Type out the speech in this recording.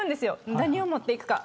何を持っていくか。